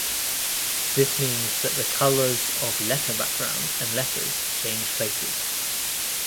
This means that the colors of letter background and letters change places.